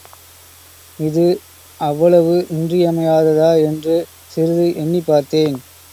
இது அவ்வளவு இன்றியமையாததா என்று சிறிது எண்ணிப் பார்த்தேன்.